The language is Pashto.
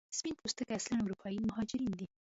سپین پوستکي اصلا اروپایي مهاجرین دي.